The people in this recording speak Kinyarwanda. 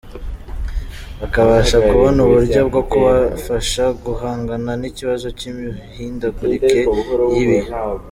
Bakabasha kubona uburyo bwo kubafasha guhangana n’ikibazo cy’imihindagurikire y’ibihe.